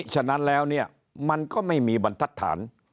ฉะนั้นแล้วเนี่ยมันก็ไม่มีบรรทัศน